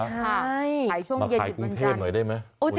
มาขายกรุงเทพหน่อยได้ไหม